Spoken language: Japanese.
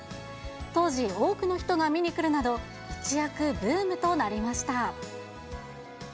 当時、多くの人が見に来るなど、一躍、ブームとなりました。